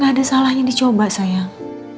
tak ada salahnya dicoba sayang